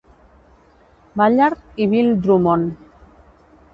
Ballard i Bill Drummond.